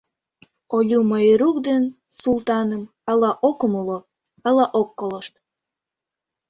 — Олю Майрук ден Султаным ала ок умыло, ала ок колышт.